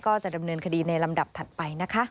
ก็จะดำเนินคดีในลำดับถัดไปนะคะ